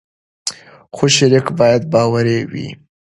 خو شریک باید باوري وي.